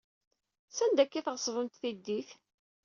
Sanda akka ay tɣeṣbemt tiddit?